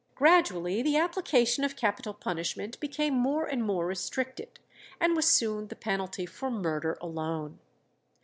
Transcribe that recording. Gradually the application of capital punishment became more and more restricted, and was soon the penalty for murder alone.